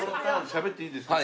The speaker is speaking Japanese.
しゃべっていいですか？